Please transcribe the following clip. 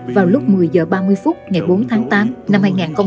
vào lúc một mươi h ba mươi phút ngày bốn tháng tám năm hai nghìn hai mươi ba